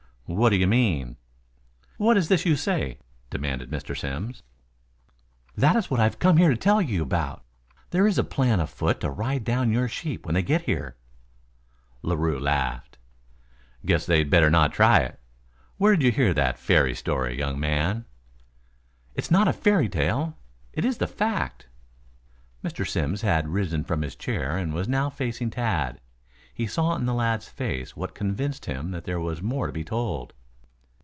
"What do you mean?" "What is this you say?" demanded Mr. Simms. "That is what I have come here to tell you about. There is a plan on foot to ride down your sheep when they get here." Larue laughed. "Guess they'd better not try it. Where did you hear that fairy story, young man?" "It's not a fairy tale it is the fact." Mr. Simms had risen from his chair and was now facing Tad. He saw in the lad's face what convinced him that there was more to be told.